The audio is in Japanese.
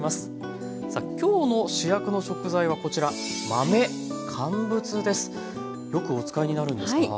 さあ今日の主役の食材はこちらよくお使いになるんですか？